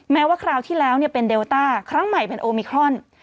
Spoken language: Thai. แม้ว่าคราวที่แล้วเป็นเดลต้าครั้งใหม่เป็นโอมิครอน